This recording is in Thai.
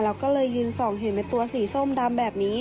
เราก็เลยยืนส่องเห็นเป็นตัวสีส้มดำแบบนี้